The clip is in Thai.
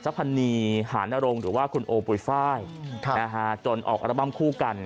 ทรัพย์หนีหานนโรงหรือว่าคุณโอปุ๋ยฝ้ายจนออกอัลบั้มคู่กัน